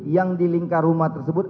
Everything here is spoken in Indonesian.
yang di lingkar rumah tersebut